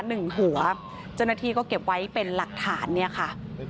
หนึ่งหัวเจ้าหน้าที่ก็เก็บไว้เป็นหลักฐานเนี่ยค่ะ